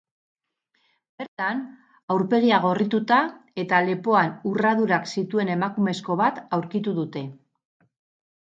Bertan, aurpegia gorrituta eta lepoan urradurak zituen emakumezko bat aurkitu dute.